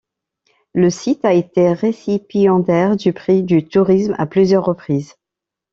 Le site a été récipiendaire du prix du tourisme à plusieurs reprises.